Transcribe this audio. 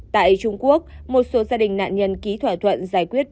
tại trung quốc một số gia đình nạn nhân ký thỏa thuận giải quyết